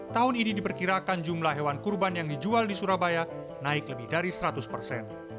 tahun ini diperkirakan jumlah hewan kurban yang dijual di surabaya naik lebih dari seratus persen